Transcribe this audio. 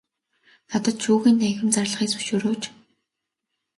Надад шүүхийн танхим зарлахыг зөвшөөрөөч.